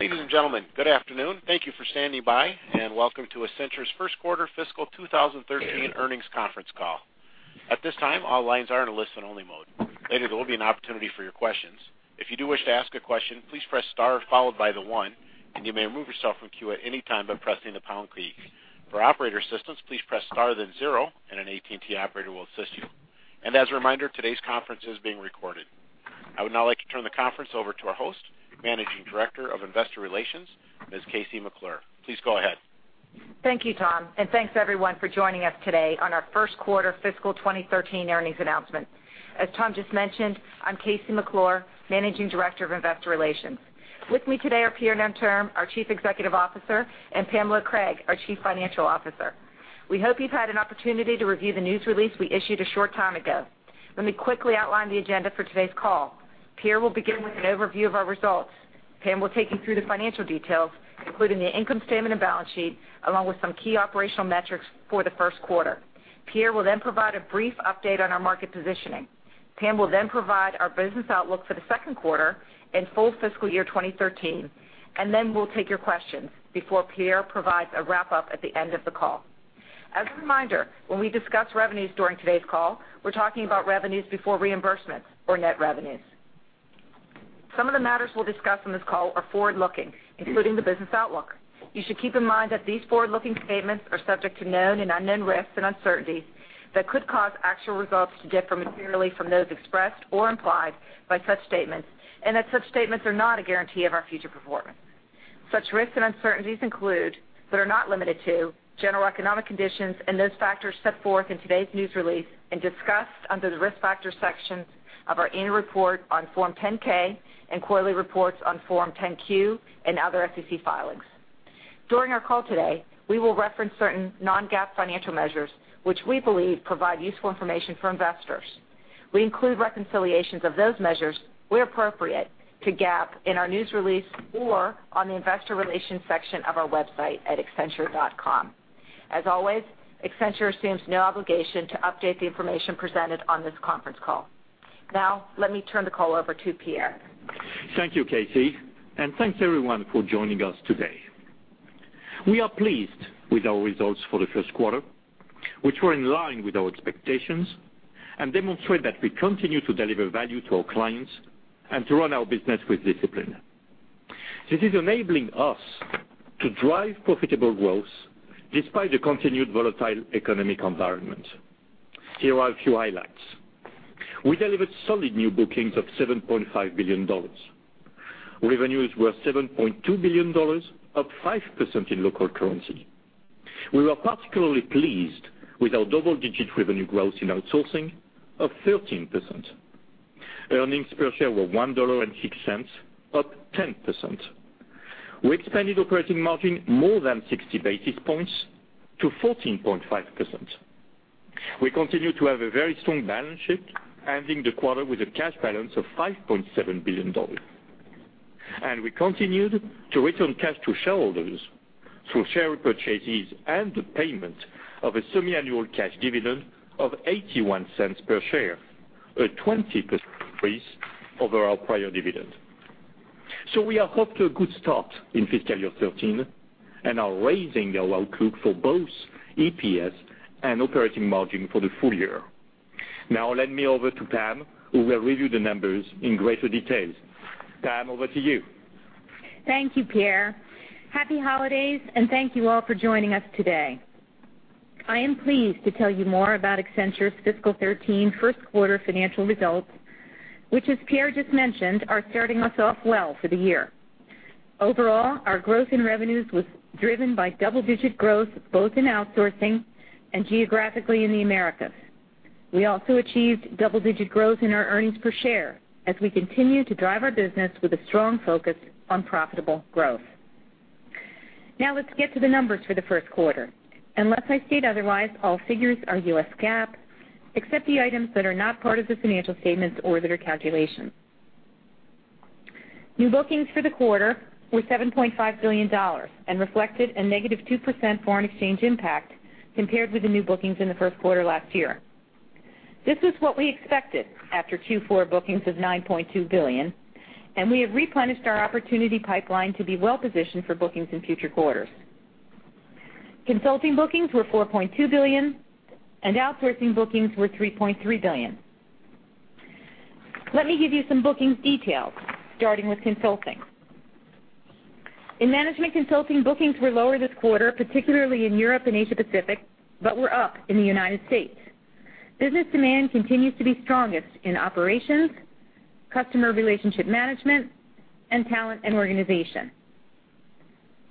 Ladies and gentlemen, good afternoon. Thank you for standing by, and welcome to Accenture's first quarter fiscal 2013 earnings conference call. At this time, all lines are in a listen-only mode. Later, there will be an opportunity for your questions. If you do wish to ask a question, please press star followed by one, and you may remove yourself from queue at any time by pressing the pound key. For operator assistance, please press star then zero and an AT&T operator will assist you. As a reminder, today's conference is being recorded. I would now like to turn the conference over to our host, Managing Director of Investor Relations, Ms. KC McClure. Please go ahead. Thank you, Tom, and thanks everyone for joining us today on our first quarter fiscal 2013 earnings announcement. As Tom just mentioned, I'm KC McClure, Managing Director of Investor Relations. With me today are Pierre Nanterme, our Chief Executive Officer, and Pamela Craig, our Chief Financial Officer. We hope you've had an opportunity to review the news release we issued a short time ago. Let me quickly outline the agenda for today's call. Pierre will begin with an overview of our results. Pam will take you through the financial details, including the income statement and balance sheet, along with some key operational metrics for the first quarter. Pierre will then provide a brief update on our market positioning. Pam will then provide our business outlook for the second quarter and full fiscal year 2013, and then we'll take your questions before Pierre provides a wrap-up at the end of the call. As a reminder, when we discuss revenues during today's call, we're talking about revenues before reimbursements or net revenues. Some of the matters we'll discuss on this call are forward-looking, including the business outlook. You should keep in mind that these forward-looking statements are subject to known and unknown risks and uncertainties that could cause actual results to differ materially from those expressed or implied by such statements, and that such statements are not a guarantee of our future performance. Such risks and uncertainties include, but are not limited to, general economic conditions and those factors set forth in today's news release and discussed under the Risk Factors section of our annual report on Form 10-K and quarterly reports on Form 10-Q and other SEC filings. During our call today, we will reference certain non-GAAP financial measures, which we believe provide useful information for investors. We include reconciliations of those measures, where appropriate, to GAAP in our news release or on the investor relations section of our website at accenture.com. As always, Accenture assumes no obligation to update the information presented on this conference call. Now, let me turn the call over to Pierre. Thank you, KC, and thanks everyone for joining us today. We are pleased with our results for the first quarter, which were in line with our expectations and demonstrate that we continue to deliver value to our clients and to run our business with discipline. This is enabling us to drive profitable growth despite the continued volatile economic environment. Here are a few highlights. We delivered solid new bookings of $7.5 billion. Revenues were $7.2 billion, up 5% in local currency. We were particularly pleased with our double-digit revenue growth in outsourcing of 13%. Earnings per share were $1.06, up 10%. We expanded operating margin more than 60 basis points to 14.5%. We continue to have a very strong balance sheet, ending the quarter with a cash balance of $5.7 billion. We continued to return cash to shareholders through share repurchases and the payment of a semiannual cash dividend of $0.81 per share, a 20% increase over our prior dividend. We are off to a good start in fiscal year 2013 and are raising our outlook for both EPS and operating margin for the full year. Now let me hand over to Pam, who will review the numbers in greater detail. Pam, over to you. Thank you, Pierre. Happy holidays, and thank you all for joining us today. I am pleased to tell you more about Accenture's fiscal 2013 first quarter financial results, which as Pierre just mentioned, are starting us off well for the year. Overall, our growth in revenues was driven by double-digit growth both in outsourcing and geographically in the Americas. We also achieved double-digit growth in our earnings per share as we continue to drive our business with a strong focus on profitable growth. Now let's get to the numbers for the first quarter. Unless I state otherwise, all figures are U.S. GAAP, except the items that are not part of the financial statements or that are calculations. New bookings for the quarter were $7.5 billion and reflected a negative 2% foreign exchange impact compared with the new bookings in the first quarter last year. This is what we expected after Q4 bookings of $9.2 billion. We have replenished our opportunity pipeline to be well-positioned for bookings in future quarters. Consulting bookings were $4.2 billion. Outsourcing bookings were $3.3 billion. Let me give you some bookings details, starting with consulting. In management consulting, bookings were lower this quarter, particularly in Europe and Asia Pacific, but were up in the United States. Business demand continues to be strongest in operations, customer relationship management, and talent and organization.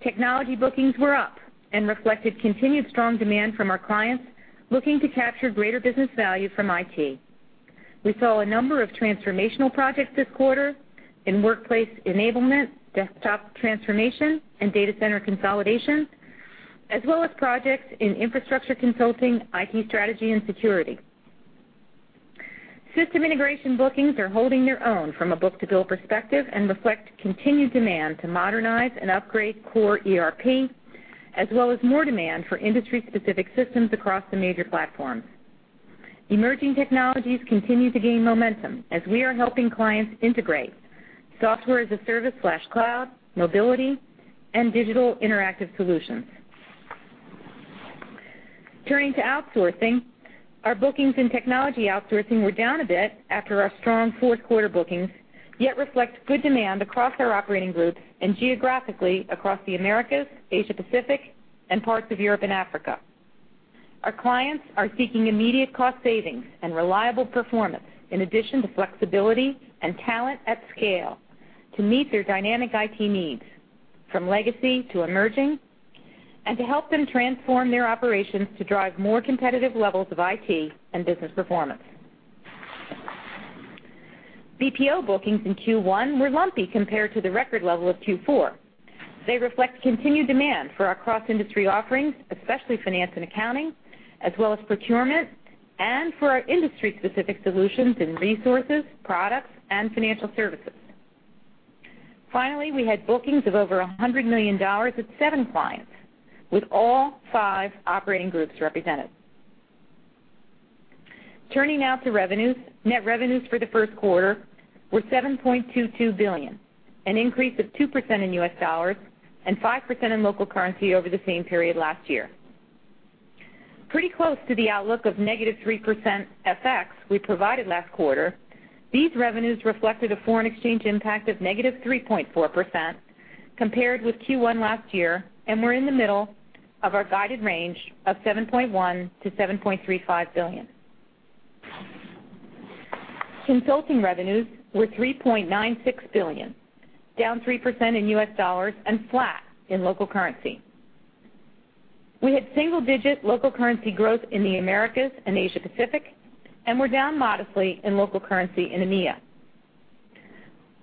Technology bookings were up and reflected continued strong demand from our clients looking to capture greater business value from IT. We saw a number of transformational projects this quarter in workplace enablement, desktop transformation, and data center consolidation, as well as projects in infrastructure consulting, IT strategy, and security. System integration bookings are holding their own from a book-to-bill perspective and reflect continued demand to modernize and upgrade core ERP, as well as more demand for industry-specific systems across the major platforms. Emerging technologies continue to gain momentum as we are helping clients integrate software as a service/cloud, mobility, and digital interactive solutions. Turning to outsourcing, our bookings in technology outsourcing were down a bit after our strong fourth quarter bookings, yet reflect good demand across our operating groups and geographically across the Americas, Asia Pacific, and parts of Europe and Africa. Our clients are seeking immediate cost savings and reliable performance in addition to flexibility and talent at scale to meet their dynamic IT needs, from legacy to emerging, and to help them transform their operations to drive more competitive levels of IT and business performance. BPO bookings in Q1 were lumpy compared to the record level of Q4. They reflect continued demand for our cross-industry offerings, especially finance and accounting, as well as procurement, and for our industry-specific solutions in Resources, Products, and Financial Services. We had bookings of over $100 million with seven clients, with all five operating groups represented. Turning now to revenues. Net revenues for the first quarter were $7.22 billion, an increase of 2% in US dollars and 5% in local currency over the same period last year. Pretty close to the outlook of negative 3% FX we provided last quarter, these revenues reflected a foreign exchange impact of negative 3.4% compared with Q1 last year, and were in the middle of our guided range of $7.1 billion-$7.35 billion. Consulting revenues were $3.96 billion, down 3% in US dollars and flat in local currency. We had single-digit local currency growth in the Americas and Asia Pacific and were down modestly in local currency in EMEA.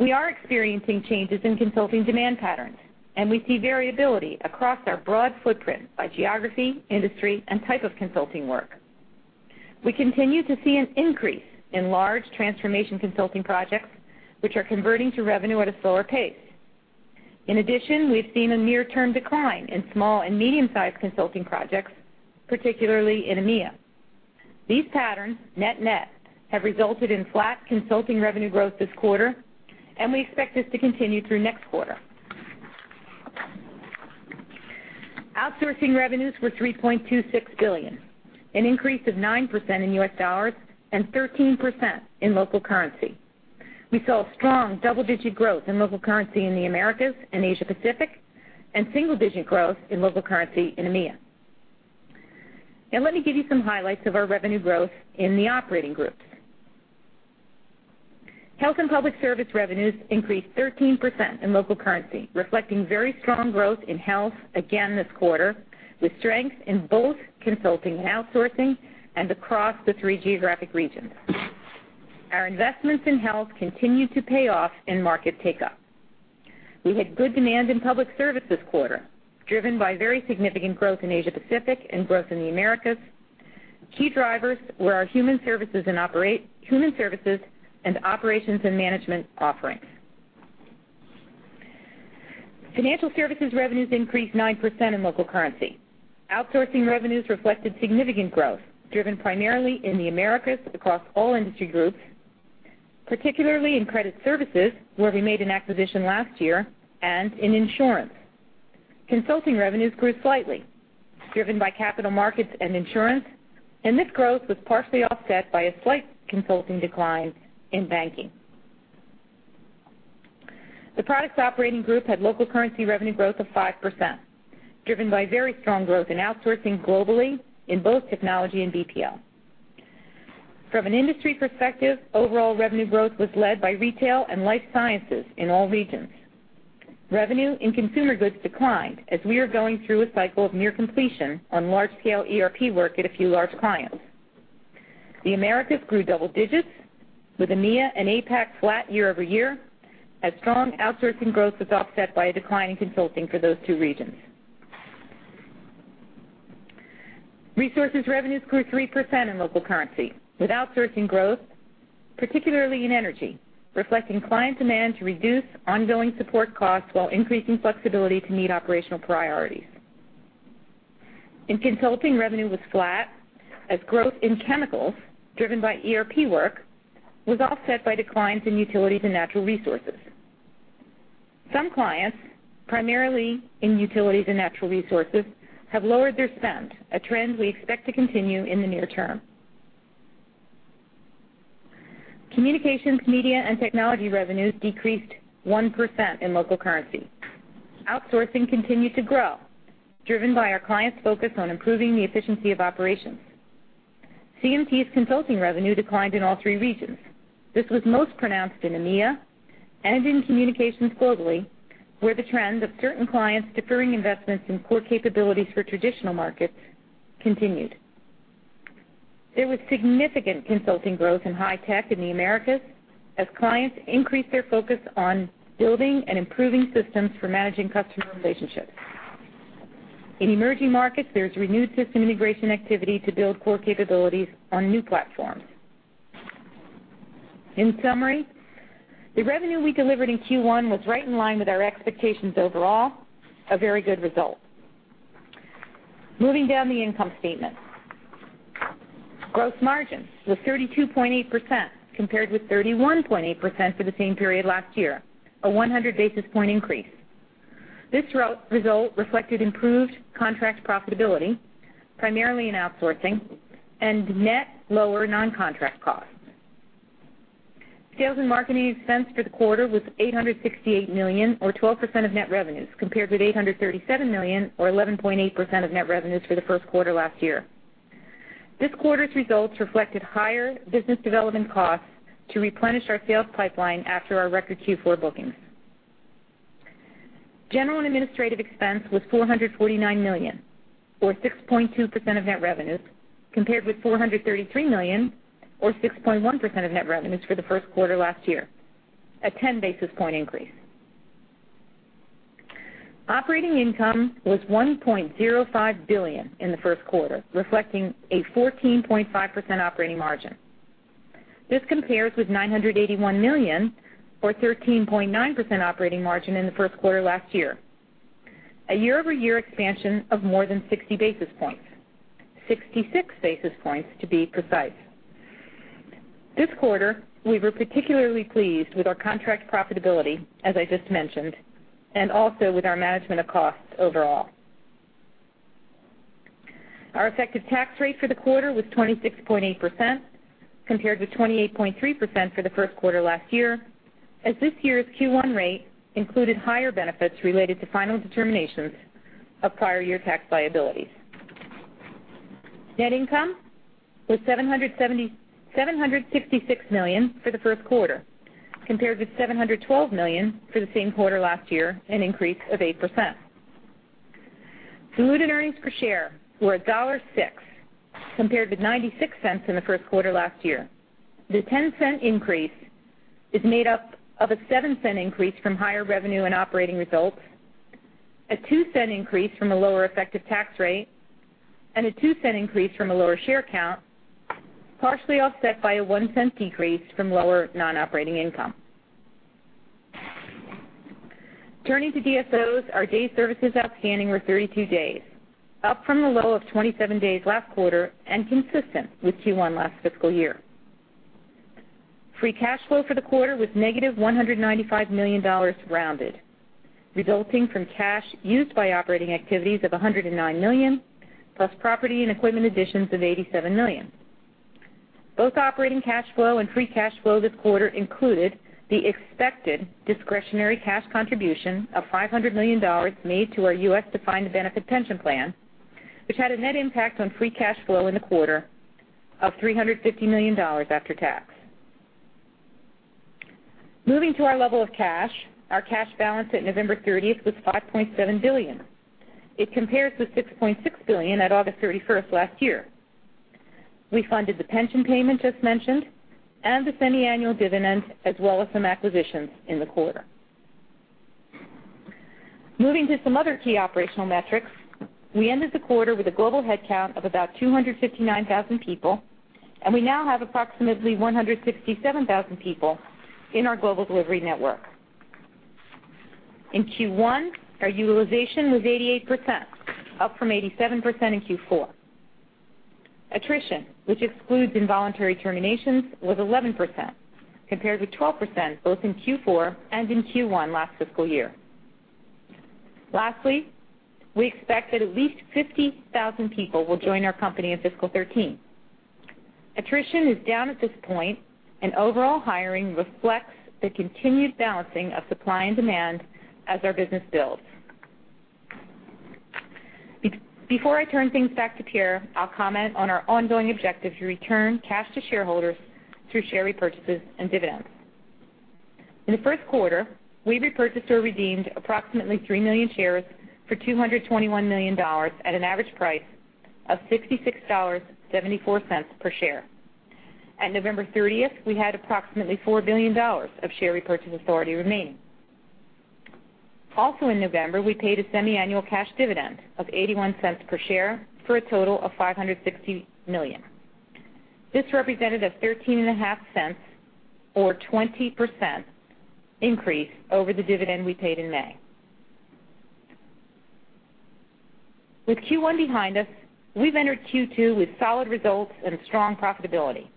We are experiencing changes in consulting demand patterns, and we see variability across our broad footprint by geography, industry, and type of consulting work. We continue to see an increase in large transformation consulting projects, which are converting to revenue at a slower pace. In addition, we've seen a near-term decline in small and medium-sized consulting projects, particularly in EMEA. These patterns, net-net, have resulted in flat consulting revenue growth this quarter, and we expect this to continue through next quarter. Outsourcing revenues were $3.26 billion, an increase of 9% in US dollars and 13% in local currency. We saw strong double-digit growth in local currency in the Americas and Asia Pacific and single-digit growth in local currency in EMEA. Let me give you some highlights of our revenue growth in the operating groups. Health & Public Service revenues increased 13% in local currency, reflecting very strong growth in health again this quarter, with strength in both consulting and outsourcing and across the three geographic regions. Our investments in health continue to pay off in market take-up. We had good demand in public service this quarter, driven by very significant growth in Asia Pacific and growth in the Americas. Key drivers were our human services and operations and management offerings. Financial Services revenues increased 9% in local currency. Outsourcing revenues reflected significant growth, driven primarily in the Americas across all industry groups, particularly in credit services, where we made an acquisition last year, and in insurance. Consulting revenues grew slightly, driven by capital markets and insurance, and this growth was partially offset by a slight consulting decline in banking. The Products operating group had local currency revenue growth of 5%, driven by very strong growth in outsourcing globally in both technology and BPO. From an industry perspective, overall revenue growth was led by retail and life sciences in all regions. Revenue in consumer goods declined as we are going through a cycle of near completion on large-scale ERP work at a few large clients. The Americas grew double digits, with EMEA and APAC flat year-over-year, as strong outsourcing growth was offset by a decline in consulting for those two regions. Resources revenues grew 3% in local currency, with outsourcing growth, particularly in energy, reflecting client demand to reduce ongoing support costs while increasing flexibility to meet operational priorities. Consulting revenue was flat as growth in chemicals, driven by ERP work, was offset by declines in utilities and natural resources. Some clients, primarily in utilities and natural resources, have lowered their spend, a trend we expect to continue in the near term. Communications, Media & Technology revenues decreased 1% in local currency. Outsourcing continued to grow, driven by our clients' focus on improving the efficiency of operations. CMT's consulting revenue declined in all three regions. This was most pronounced in EMEA and in communications globally, where the trend of certain clients deferring investments in core capabilities for traditional markets continued. There was significant consulting growth in high tech in the Americas as clients increased their focus on building and improving systems for managing customer relationships. In emerging markets, there's renewed system integration activity to build core capabilities on new platforms. In summary, the revenue we delivered in Q1 was right in line with our expectations overall, a very good result. Moving down the income statement. Gross margin was 32.8%, compared with 31.8% for the same period last year, a 100 basis point increase. This result reflected improved contract profitability, primarily in outsourcing and net lower non-contract costs. Sales and marketing expense for the quarter was $868 million, or 12% of net revenues, compared with $837 million or 11.8% of net revenues for the first quarter last year. This quarter's results reflected higher business development costs to replenish our sales pipeline after our record Q4 bookings. General and administrative expense was $449 million, or 6.2% of net revenues, compared with $433 million or 6.1% of net revenues for the first quarter last year, a 10 basis point increase. Operating income was $1.05 billion in the first quarter, reflecting a 14.5% operating margin. This compares with $981 million or 13.9% operating margin in the first quarter last year. A year-over-year expansion of more than 60 basis points. 66 basis points to be precise. This quarter, we were particularly pleased with our contract profitability, as I just mentioned, and also with our management of costs overall. Our effective tax rate for the quarter was 26.8%, compared to 28.3% for the first quarter last year. This year's Q1 rate included higher benefits related to final determinations of prior year tax liabilities. Net income was $766 million for the first quarter, compared with $712 million for the same quarter last year, an increase of 8%. Diluted earnings per share were $1.06, compared with $0.96 in the first quarter last year. The $0.10 increase is made up of a $0.07 increase from higher revenue and operating results, a $0.02 increase from a lower effective tax rate, and a $0.02 increase from a lower share count, partially offset by a $0.01 decrease from lower non-operating income. Turning to DSOs, our days services outstanding were 32 days, up from a low of 27 days last quarter and consistent with Q1 last fiscal year. Free cash flow for the quarter was negative $195 million rounded, resulting from cash used by operating activities of $109 million, plus property and equipment additions of $87 million. Both operating cash flow and free cash flow this quarter included the expected discretionary cash contribution of $500 million made to our U.S. defined benefit pension plan, which had a net impact on free cash flow in the quarter of $350 million after tax. Moving to our level of cash. Our cash balance at November 30th was $5.7 billion. It compares with $6.6 billion at August 31st last year. We funded the pension payment just mentioned and the semiannual dividend, as well as some acquisitions in the quarter. Moving to some other key operational metrics. We ended the quarter with a global headcount of about 259,000 people, and we now have approximately 167,000 people in our Global Delivery Network. In Q1, our utilization was 88%, up from 87% in Q4. Attrition, which excludes involuntary terminations, was 11%, compared with 12% both in Q4 and in Q1 last fiscal year. Lastly, we expect that at least 50,000 people will join our company in fiscal 2013. Attrition is down at this point, and overall hiring reflects the continued balancing of supply and demand as our business builds. Before I turn things back to Pierre, I'll comment on our ongoing objective to return cash to shareholders through share repurchases and dividends. In the first quarter, we repurchased or redeemed approximately 3 million shares for $221 million at an average price of $66.74 per share. At November 30th, we had approximately $4 billion of share repurchase authority remaining. Also in November, we paid a semiannual cash dividend of $0.81 per share for a total of $560 million. This represented a $0.135 or 20% increase over the dividend we paid in May. With Q1 behind us, we've entered Q2 with solid results and strong profitability.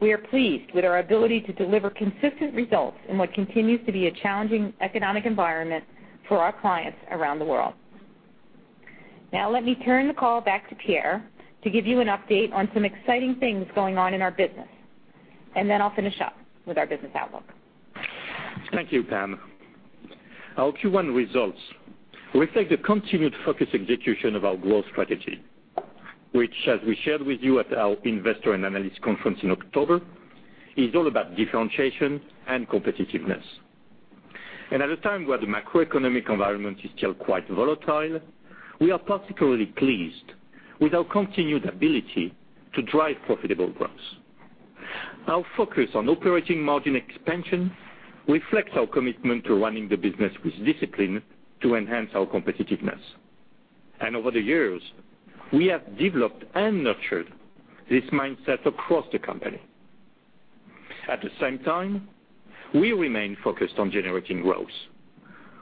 We are pleased with our ability to deliver consistent results in what continues to be a challenging economic environment for our clients around the world. Now let me turn the call back to Pierre to give you an update on some exciting things going on in our business, and then I'll finish up with our business outlook. Thank you, Pam. Our Q1 results reflect the continued focus execution of our growth strategy, which, as we shared with you at our Investor and Analyst Conference in October, is all about differentiation and competitiveness. At a time where the macroeconomic environment is still quite volatile, we are particularly pleased with our continued ability to drive profitable growth. Our focus on operating margin expansion reflects our commitment to running the business with discipline to enhance our competitiveness. Over the years, we have developed and nurtured this mindset across the company. At the same time, we remain focused on generating growth,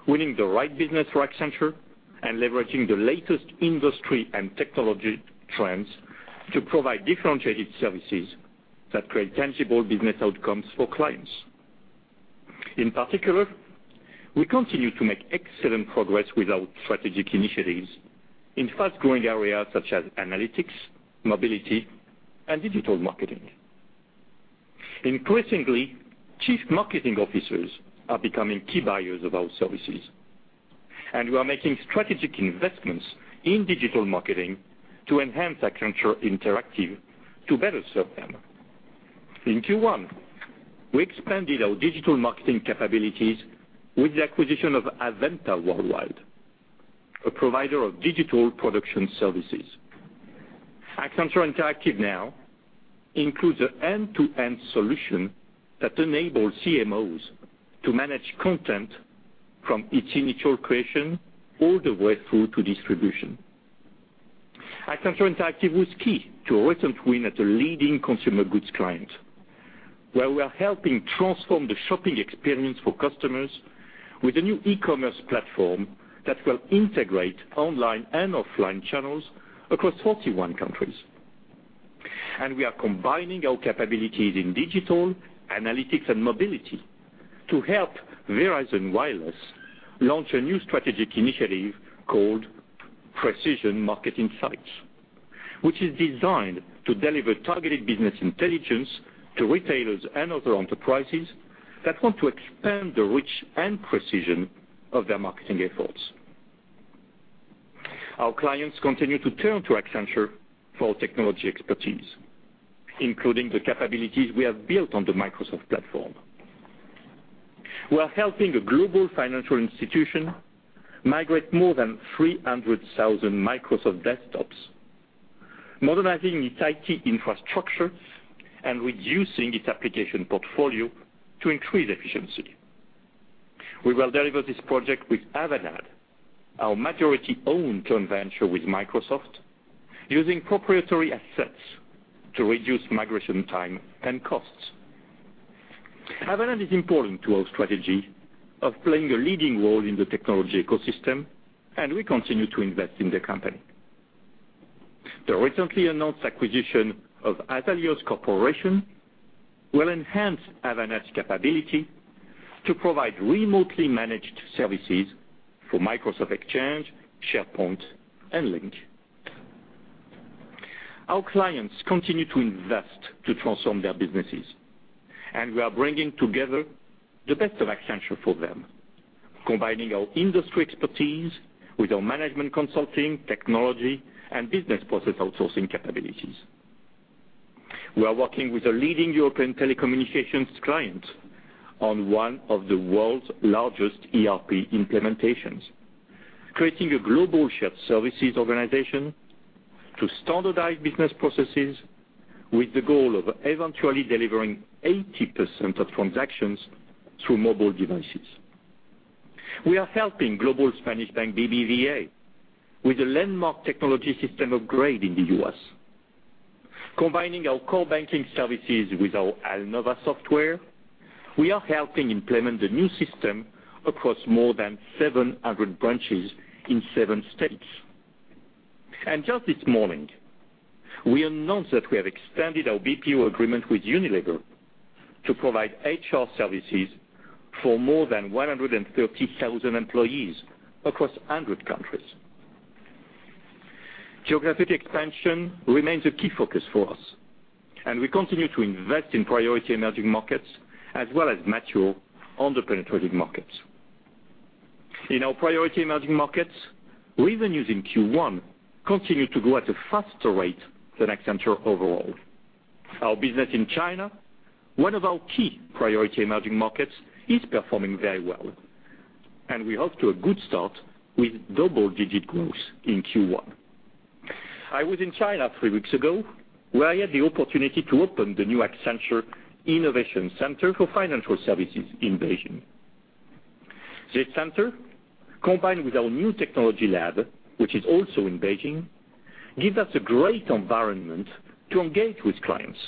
winning the right business for Accenture, and leveraging the latest industry and technology trends to provide differentiated services that create tangible business outcomes for clients. In particular, we continue to make excellent progress with our strategic initiatives in fast-growing areas such as analytics, mobility, and digital marketing. Increasingly, chief marketing officers are becoming key buyers of our services. We are making strategic investments in digital marketing to enhance Accenture Interactive to better serve them. In Q1, we expanded our digital marketing capabilities with the acquisition of avVenta Worldwide, a provider of digital production services. Accenture Interactive now includes an end-to-end solution that enables CMOs to manage content from its initial creation all the way through to distribution. Accenture Interactive was key to a recent win at a leading consumer goods client, where we are helping transform the shopping experience for customers with a new e-commerce platform that will integrate online and offline channels across 41 countries. We are combining our capabilities in digital, analytics, and mobility to help Verizon Wireless launch a new strategic initiative called Precision Marketing Insights, which is designed to deliver targeted business intelligence to retailers and other enterprises that want to expand the reach and precision of their marketing efforts. Our clients continue to turn to Accenture for our technology expertise, including the capabilities we have built on the Microsoft platform. We are helping a global financial institution migrate more than 300,000 Microsoft desktops, modernizing its IT infrastructure, and reducing its application portfolio to increase efficiency. We will deliver this project with Avanade, our majority-owned joint venture with Microsoft, using proprietary assets to reduce migration time and costs. Avanade is important to our strategy of playing a leading role in the technology ecosystem. We continue to invest in the company. The recently announced acquisition of Azaleos Corporation will enhance Avanade's capability to provide remotely managed services for Microsoft Exchange, SharePoint, and Lync. Our clients continue to invest to transform their businesses. We are bringing together the best of Accenture for them, combining our industry expertise with our management consulting, technology, and business process outsourcing capabilities. We are working with a leading European telecommunications client on one of the world's largest ERP implementations, creating a global shared services organization to standardize business processes with the goal of eventually delivering 80% of transactions through mobile devices. We are helping global Spanish bank BBVA with a landmark technology system upgrade in the U.S. Combining our core banking services with our Alnova software, we are helping implement the new system across more than 700 branches in seven states. Just this morning, we announced that we have extended our BPO agreement with Unilever to provide HR services for more than 130,000 employees across 100 countries. Geographic expansion remains a key focus for us, and we continue to invest in priority emerging markets as well as mature under-penetrated markets. In our priority emerging markets, revenues in Q1 continued to grow at a faster rate than Accenture overall. Our business in China, one of our key priority emerging markets, is performing very well, and we are off to a good start with double-digit growth in Q1. I was in China three weeks ago, where I had the opportunity to open the new Accenture Innovation Center for Financial Services in Beijing. This center, combined with our new technology lab, which is also in Beijing, gives us a great environment to engage with clients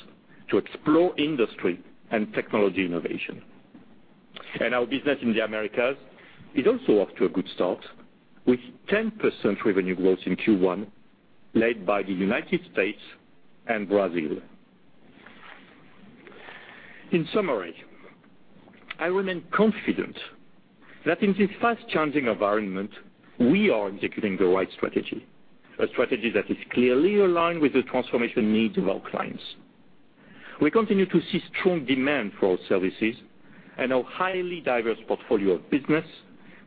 to explore industry and technology innovation. Our business in the Americas is also off to a good start, with 10% revenue growth in Q1, led by the United States and Brazil. In summary, I remain confident that in this fast-changing environment, we are executing the right strategy, a strategy that is clearly aligned with the transformation needs of our clients. We continue to see strong demand for our services and our highly diverse portfolio of business,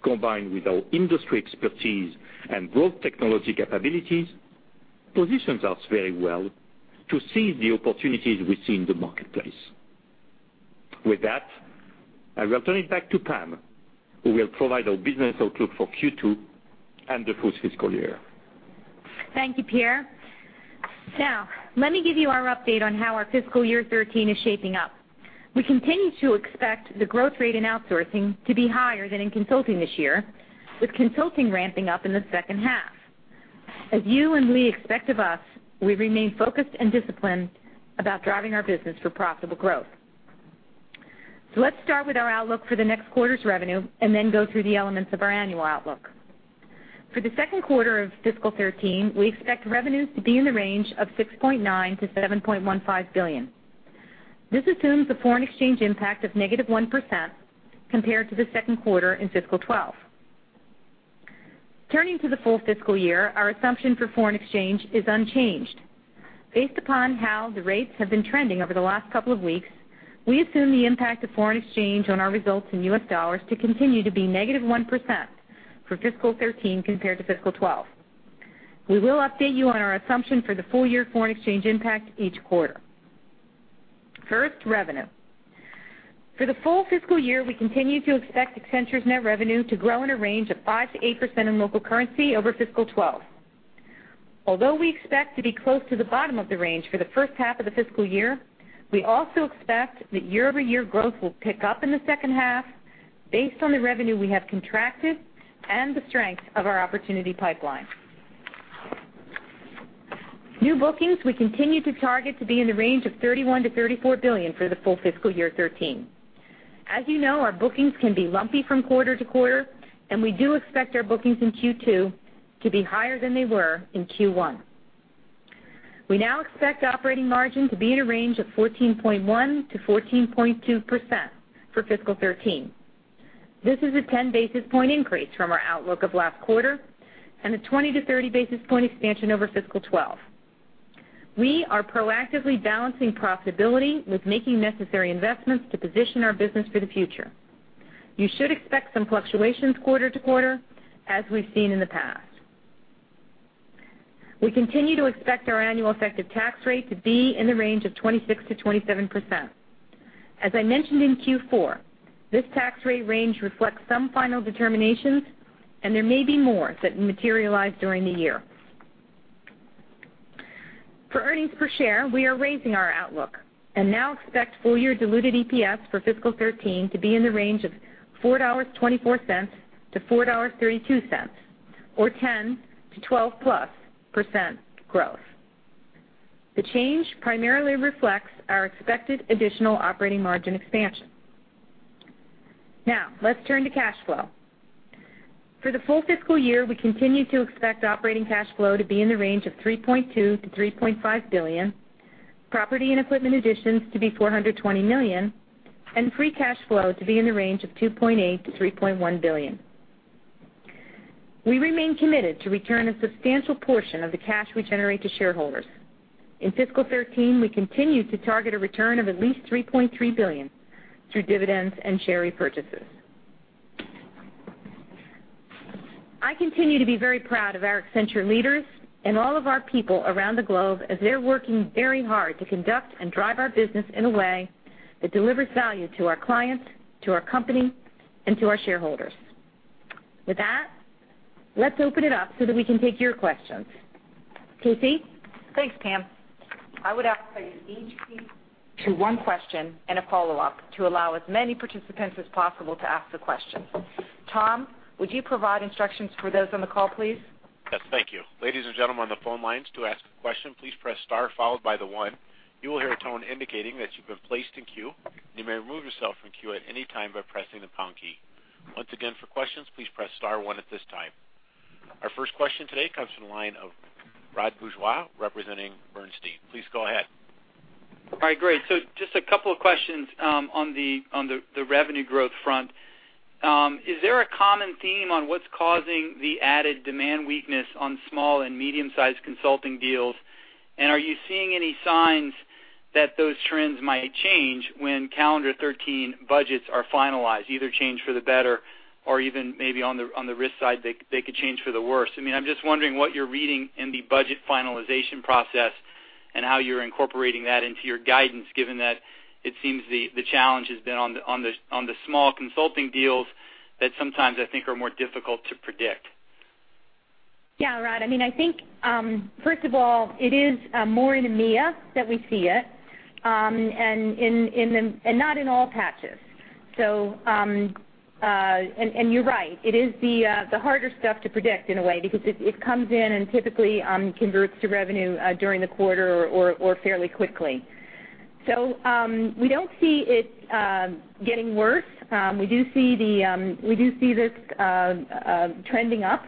combined with our industry expertise and broad technology capabilities, positions us very well to seize the opportunities we see in the marketplace. With that, I will turn it back to Pam, who will provide our business outlook for Q2 and the full fiscal year. Thank you, Pierre. Now, let me give you our update on how our fiscal year 2013 is shaping up. We continue to expect the growth rate in outsourcing to be higher than in consulting this year, with consulting ramping up in the second half. As you and we expect of us, we remain focused and disciplined about driving our business for profitable growth. Let's start with our outlook for the next quarter's revenue and then go through the elements of our annual outlook. For the second quarter of fiscal 2013, we expect revenues to be in the range of $6.9 billion-$7.15 billion. This assumes a foreign exchange impact of -1% compared to the second quarter in fiscal 2012. Turning to the full fiscal year, our assumption for foreign exchange is unchanged. Based upon how the rates have been trending over the last couple of weeks, we assume the impact of foreign exchange on our results in US dollars to continue to be -1% for fiscal 2013 compared to fiscal 2012. We will update you on our assumption for the full-year foreign exchange impact each quarter. First, revenue. For the full fiscal year, we continue to expect Accenture's net revenue to grow in a range of 5%-8% in local currency over fiscal 2012. Although we expect to be close to the bottom of the range for the first half of the fiscal year, we also expect that year-over-year growth will pick up in the second half based on the revenue we have contracted and the strength of our opportunity pipeline. New bookings we continue to target to be in the range of $31 billion-$34 billion for the full fiscal year 2013. As you know, our bookings can be lumpy from quarter to quarter, and we do expect our bookings in Q2 to be higher than they were in Q1. We now expect operating margin to be in a range of 14.1%-14.2% for fiscal 2013. This is a 10-basis-point increase from our outlook of last quarter and a 20- to 30-basis-point expansion over fiscal 2012. We are proactively balancing profitability with making necessary investments to position our business for the future. You should expect some fluctuations quarter to quarter, as we've seen in the past. We continue to expect our annual effective tax rate to be in the range of 26%-27%. As I mentioned in Q4, this tax rate range reflects some final determinations, and there may be more that materialize during the year. For earnings per share, we are raising our outlook and now expect full-year diluted EPS for fiscal 2013 to be in the range of $4.24-$4.32, or 10%-12+% growth. The change primarily reflects our expected additional operating margin expansion. Let's turn to cash flow. For the full fiscal year, we continue to expect operating cash flow to be in the range of $3.2 billion-$3.5 billion, property and equipment additions to be $420 million, and free cash flow to be in the range of $2.8 billion-$3.1 billion. We remain committed to return a substantial portion of the cash we generate to shareholders. In fiscal 2013, we continue to target a return of at least $3.3 billion through dividends and share repurchases. I continue to be very proud of our Accenture leaders and all of our people around the globe as they're working very hard to conduct and drive our business in a way that delivers value to our clients, to our company, and to our shareholders. With that, let's open it up so that we can take your questions. KC? Thanks, Pam. I would ask that you each keep to one question and a follow-up to allow as many participants as possible to ask the questions. Tom, would you provide instructions for those on the call, please? Yes, thank you. Ladies and gentlemen on the phone lines, to ask a question, please press star followed by the one. You will hear a tone indicating that you've been placed in queue, and you may remove yourself from queue at any time by pressing the pound key. Once again, for questions, please press star one at this time. Our first question today comes from the line of Rod Bourgeois, representing Bernstein. Please go ahead. All right, great. Just a couple of questions on the revenue growth front. Is there a common theme on what's causing the added demand weakness on small and medium-sized consulting deals? Are you seeing any signs that those trends might change when calendar 2013 budgets are finalized, either change for the better or even maybe on the risk side, they could change for the worse? I'm just wondering what you're reading in the budget finalization process and how you're incorporating that into your guidance, given that it seems the challenge has been on the small consulting deals that sometimes I think are more difficult to predict. Rod, I think, first of all, it is more in EMEA that we see it, and not in all patches. You're right, it is the harder stuff to predict in a way because it comes in and typically converts to revenue during the quarter or fairly quickly. We don't see it getting worse. We do see this trending up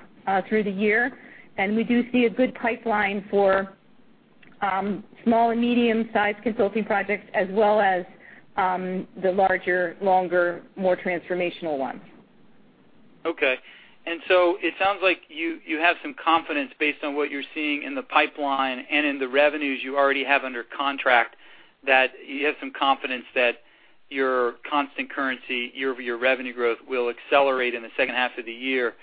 through the year, and we do see a good pipeline for small- and medium-sized consulting projects as well as the larger, longer, more transformational ones. Okay. It sounds like you have some confidence based on what you're seeing in the pipeline and in the revenues you already have under contract, that you have some confidence that your constant currency year-over-year revenue growth will accelerate in the second half of the year.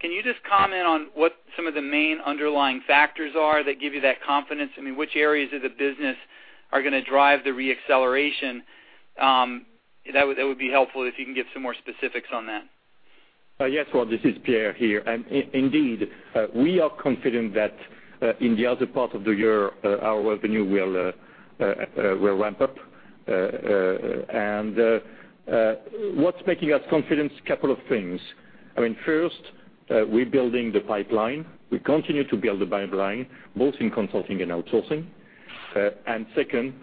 Can you just comment on what some of the main underlying factors are that give you that confidence? Which areas of the business are going to drive the re-acceleration? That would be helpful if you can give some more specifics on that. Yes. Well, this is Pierre here. Indeed, we are confident that in the other part of the year, our revenue will ramp up. What's making us confident? Couple of things. First, we're building the pipeline. We continue to build the pipeline, both in consulting and outsourcing. Second,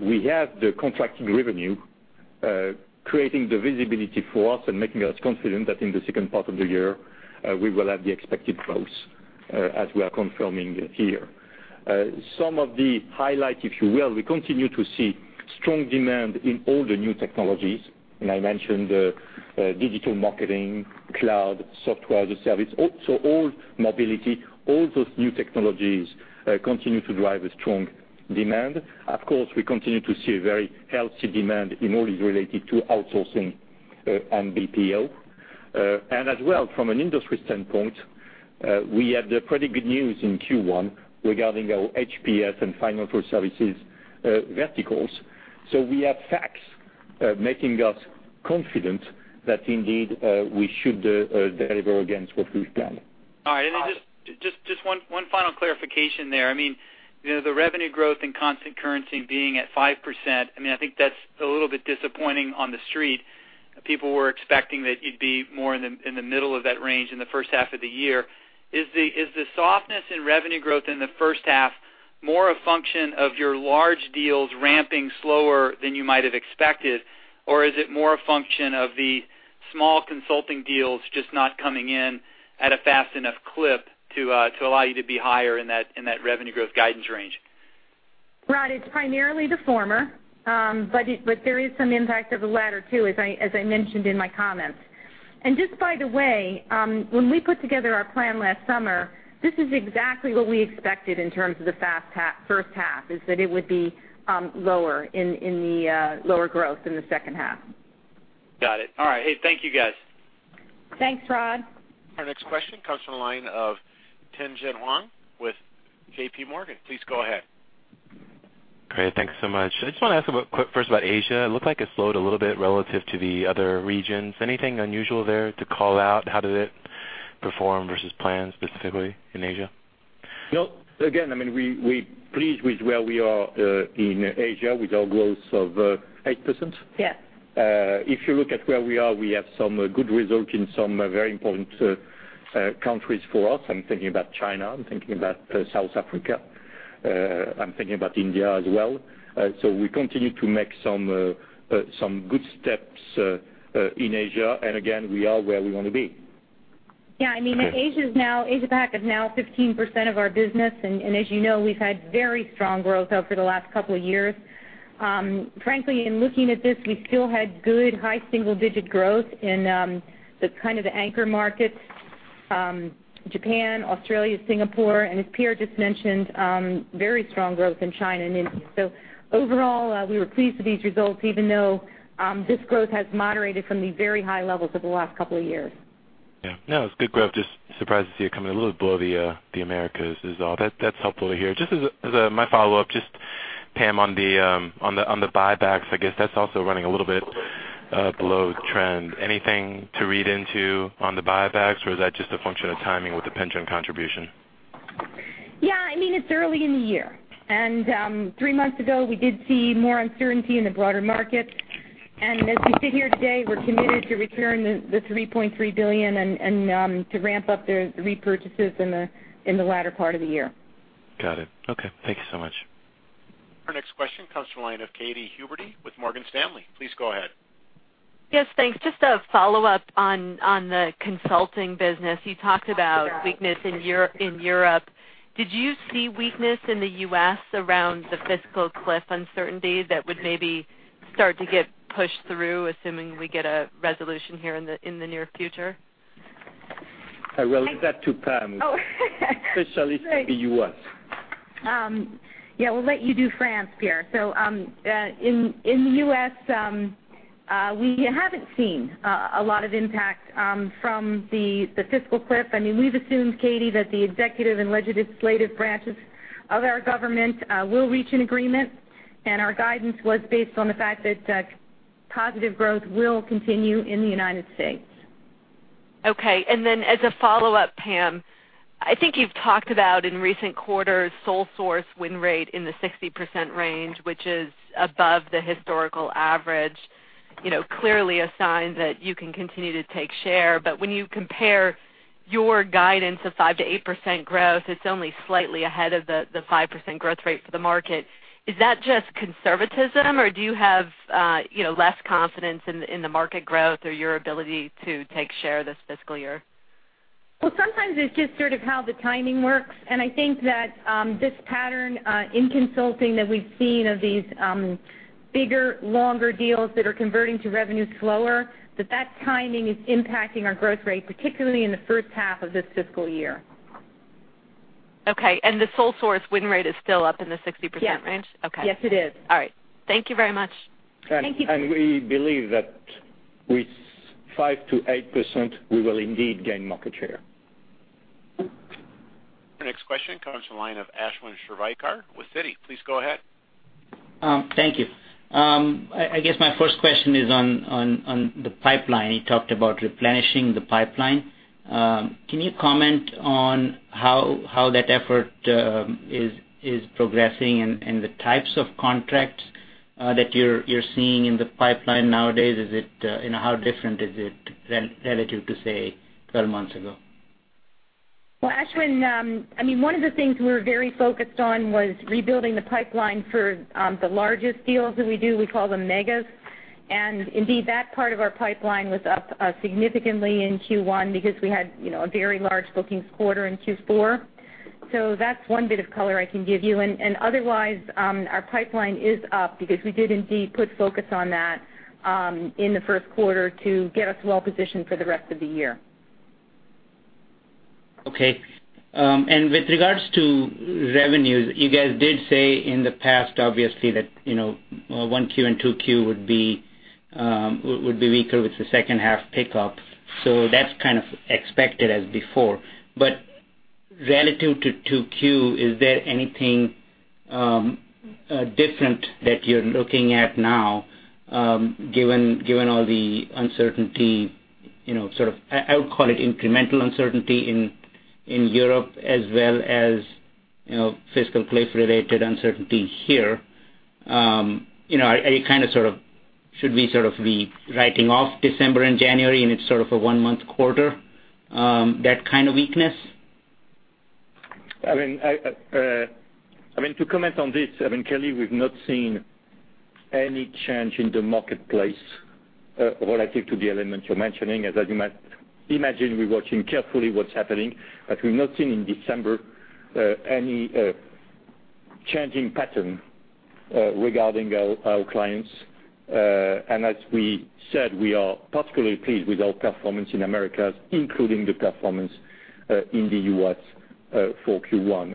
we have the contracting revenue, creating the visibility for us and making us confident that in the second part of the year, we will have the expected growth, as we are confirming here. Some of the highlights, if you will, we continue to see strong demand in all the new technologies, I mentioned digital marketing, cloud, software as a service. Also, all mobility, all those new technologies continue to drive a strong demand. Of course, we continue to see a very healthy demand in all related to outsourcing and BPO. As well, from an industry standpoint, we had pretty good news in Q1 regarding our HPS and Financial Services verticals. We have facts making us confident that indeed, we should deliver against what we've planned. All right. Just one final clarification there. The revenue growth and constant currency being at 5%, I think that's a little bit disappointing on the street. People were expecting that you'd be more in the middle of that range in the first half of the year. Is the softness in revenue growth in the first half more a function of your large deals ramping slower than you might have expected? Or is it more a function of the small consulting deals just not coming in at a fast enough clip to allow you to be higher in that revenue growth guidance range? Rod, it's primarily the former. There is some impact of the latter, too, as I mentioned in my comments. Just by the way, when we put together our plan last summer, this is exactly what we expected in terms of the first half, is that it would be lower in the lower growth in the second half. Got it. All right. Hey, thank you, guys. Thanks, Rod. Our next question comes from the line of Tien-Tsin Huang with J.P. Morgan. Please go ahead. Great. Thanks so much. I just want to ask about quick first about Asia. It looked like it slowed a little bit relative to the other regions. Anything unusual there to call out? How did it perform versus plans, specifically in Asia? No. Again, we're pleased with where we are, in Asia with our growth of 8%. Yes. If you look at where we are, we have some good results in some very important countries for us. I'm thinking about China, I'm thinking about South Africa, I'm thinking about India as well. We continue to make some good steps in Asia. Again, we are where we want to be. Yeah. Asia-Pac is now 15% of our business. As you know, we've had very strong growth out for the last couple of years. Frankly, in looking at this, we still had good high single-digit growth in the anchor markets, Japan, Australia, Singapore, and as Pierre just mentioned, very strong growth in China and India. Overall, we were pleased with these results, even though this growth has moderated from the very high levels of the last couple of years. Yeah. No, it's good growth. Just surprised to see it coming a little below the Americas is all. That's helpful to hear. Just as my follow-up, just Pam, on the buybacks, I guess that's also running a little bit below trend. Anything to read into on the buybacks, or is that just a function of timing with the pension contribution? Yeah. It's early in the year. Three months ago, we did see more uncertainty in the broader market. As we sit here today, we're committed to return the $3.3 billion and to ramp up the repurchases in the latter part of the year. Got it. Okay. Thank you so much. Our next question comes from the line of Katy Huberty with Morgan Stanley. Please go ahead. Yes, thanks. Just a follow-up on the consulting business. You talked about weakness in Europe. Did you see weakness in the U.S. around the fiscal cliff uncertainty that would maybe start to get pushed through, assuming we get a resolution here in the near future? I will leave that to Pam. Oh. Specialist for U.S. Yeah, we'll let you do France, Pierre. In the U.S., we haven't seen a lot of impact from the fiscal cliff. We've assumed, Katy, that the executive and legislative branches of our government will reach an agreement. Our guidance was based on the fact that positive growth will continue in the United States. Okay. As a follow-up, Pam, I think you've talked about in recent quarters sole source win rate in the 60% range, which is above the historical average. Clearly a sign that you can continue to take share, but when you compare your guidance of 5%-8% growth, it's only slightly ahead of the 5% growth rate for the market. Is that just conservatism, or do you have less confidence in the market growth or your ability to take share this fiscal year? Well, sometimes it's just sort of how the timing works. I think that this pattern in consulting that we've seen of these bigger, longer deals that are converting to revenue slower, that that timing is impacting our growth rate, particularly in the first half of this fiscal year. Okay. The sole source win rate is still up in the 60% range? Yes. Okay. Yes, it is. All right. Thank you very much. Thank you. We believe that with 5%-8%, we will indeed gain market share. Our next question comes from the line of Ashwin Shirvaikar with Citi. Please go ahead. Thank you. I guess my first question is on the pipeline. You talked about replenishing the pipeline. Can you comment on how that effort is progressing and the types of contracts that you're seeing in the pipeline nowadays? How different is it relative to, say, 12 months ago? Well, Ashwin, one of the things we were very focused on was rebuilding the pipeline for the largest deals that we do. We call them mega-deals. Indeed, that part of our pipeline was up significantly in Q1 because we had a very large bookings quarter in Q4. That's one bit of color I can give you. Otherwise, our pipeline is up because we did indeed put focus on that in the first quarter to get us well-positioned for the rest of the year. Okay. With regards to revenues, you guys did say in the past, obviously, that 1Q and 2Q would be weaker with the second half pickup. That's kind of expected as before, relative to 2Q, is there anything different that you're looking at now given all the uncertainty, I would call it incremental uncertainty in Europe as well as fiscal cliff-related uncertainty here? Should we be writing off December and January, and it's sort of a one-month quarter, that kind of weakness? To comment on this, clearly, we've not seen any change in the marketplace relative to the elements you're mentioning. As you might imagine, we're watching carefully what's happening, but we've not seen in December any changing pattern regarding our clients. As we said, we are particularly pleased with our performance in Americas, including the performance in the U.S. for Q1.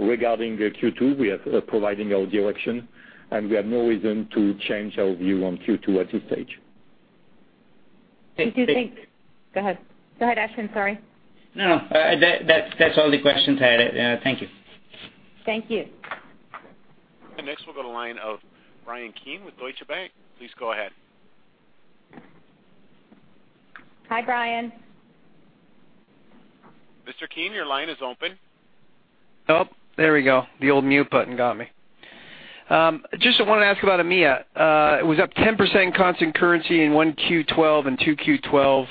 Regarding Q2, we are providing our direction, and we have no reason to change our view on Q2 at this stage. Go ahead, Ashwin. Sorry. No, that's all the questions I had. Thank you. Thank you. Next we'll go to line of Bryan Keane with Deutsche Bank. Please go ahead. Hi, Bryan. Mr. Keane, your line is open. Oh, there we go. The old mute button got me. Just want to ask about EMEA. It was up 10% in constant currency in 1Q 2012 and 2Q 2012,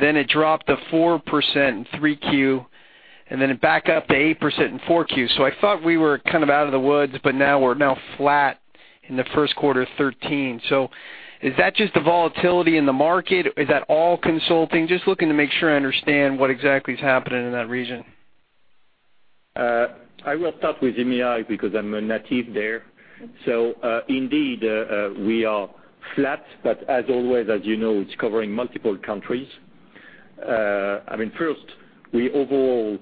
then it dropped to 4% in 3Q, and then it back up to 8% in 4Q. I thought we were kind of out of the woods, but now we're now flat in the first quarter of 2013. Is that just the volatility in the market? Is that all consulting? Just looking to make sure I understand what exactly is happening in that region. I will start with EMEA because I'm a native there. Indeed, we are flat, but as always, as you know, it's covering multiple countries. First, we are overall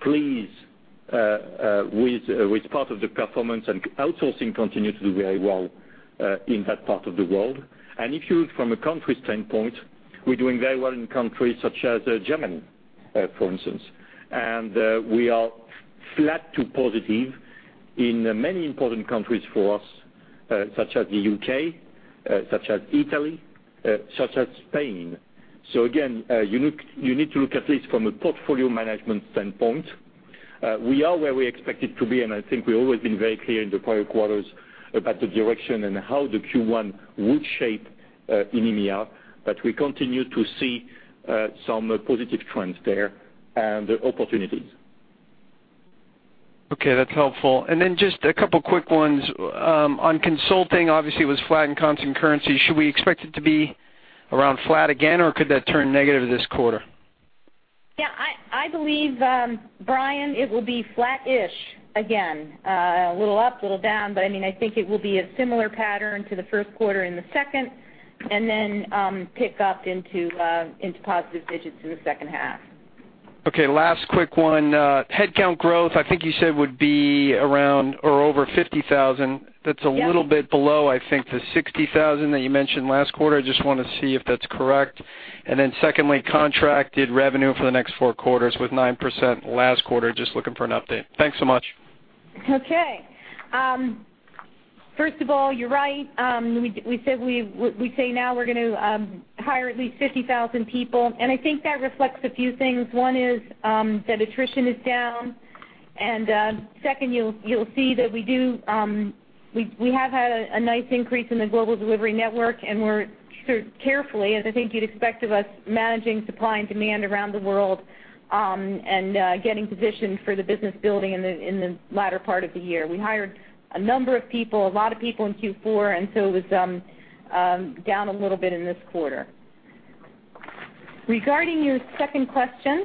pleased with part of the performance. Outsourcing continues to do very well in that part of the world. If you look from a country standpoint, we're doing very well in countries such as Germany, for instance. We are flat to positive in many important countries for us, such as the U.K., such as Italy, such as Spain. Again, you need to look at least from a portfolio management standpoint. We are where we expected to be, and I think we've always been very clear in the prior quarters about the direction and how the Q1 would shape in EMEA, but we continue to see some positive trends there and opportunities. Okay, that's helpful. Just a couple of quick ones. On consulting, obviously, it was flat in constant currency. Should we expect it to be around flat again, or could that turn negative this quarter? I believe, Bryan, it will be flat-ish again. A little up, a little down, but I think it will be a similar pattern to the first quarter and the second. Then pick up into positive digits in the second half. Last quick one. Headcount growth, I think you said would be around or over 50,000. That's a little bit below, I think, the 60,000 that you mentioned last quarter. I just want to see if that's correct. Secondly, contracted revenue for the next four quarters with 9% last quarter. Just looking for an update. Thanks so much. First of all, you're right. We say now we're going to hire at least 50,000 people. I think that reflects a few things. One is that attrition is down. Second, you'll see that we have had a nice increase in the Global Delivery Network, and we're carefully, as I think you'd expect of us, managing supply and demand around the world and getting positioned for the business building in the latter part of the year. We hired a number of people, a lot of people in Q4. So it was down a little bit in this quarter. Regarding your second question,